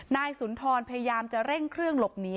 นายสุนทรพยายามจะเร่งเครื่องหลบหนี